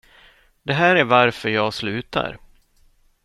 Det här är varför jag slutar.